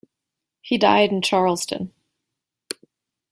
He died in Charleston.